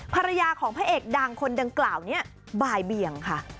ภรรยาของพระเอกดังคนดังกล่าวนี้บ่ายเบียงค่ะ